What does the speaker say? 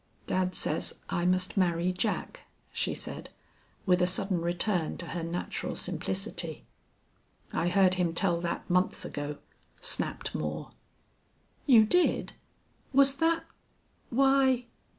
"Dad says I must marry Jack," she said, with a sudden return to her natural simplicity. "I heard him tell that months ago," snapped Moore. "You did! Was that why?"